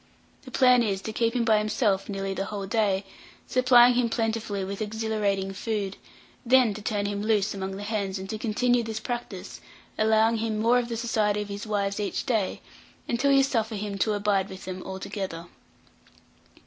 The plan is, to keep him by himself nearly the whole day, supplying him plentifully with exhilarating food, then to turn him loose among the hens, and to continue this practice, allowing him more of the society of his wives each day, until you suffer him to abide with them altogether.